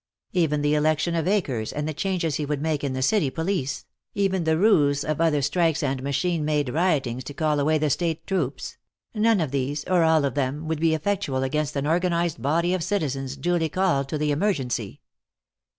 Even the election of Akers and the changes he would make in the city police; even the ruse of other strikes and machine made riotings to call away the state troops, none of these, or all of them, would be effectual against an organized body of citizens, duly called to the emergency.